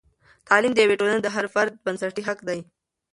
تعلیم د یوې ټولنې د هر فرد بنسټي حق دی.